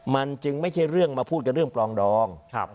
มันจึงไม่ใช่เรื่องมาพูดกันเรื่องปลองดอง